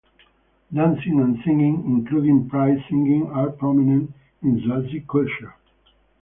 Dancing and singing, including praise-singing, are prominent in Swazi culture.